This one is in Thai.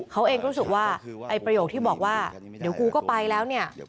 เขาเองก็รู้สึกว่าไอ้ประโยคที่บอกว่าเดี๋ยวกูก็ไปแล้วเนี่ย